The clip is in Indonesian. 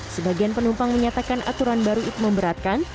sebagian penumpang menyatakan aturan baru itu memberatkan